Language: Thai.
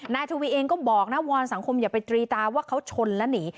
นายทวีเองก็บอกนะวอนสังคมอย่าไปตรีตาว่าเขาชนและหนี